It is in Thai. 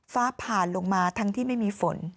ฟ้าผ่านลงมาทั้งที่ไม่มีฝน